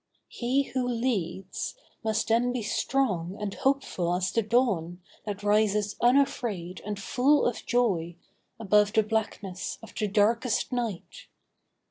He who leads Must then be strong and hopeful as the dawn That rises unafraid and full of joy Above the blackness of the darkest night.